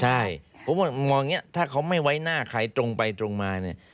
ใช่เพราะว่ามองอย่างนี้ถ้าเขาไม่ไว้หน้าใครตรงไปตรงมาเนี่ย